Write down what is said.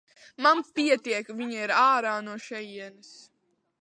Man pietiek, viņa ir ārā no šejienes.